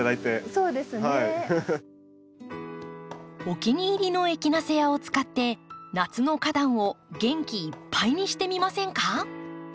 お気に入りのエキナセアを使って夏の花壇を元気いっぱいにしてみませんか？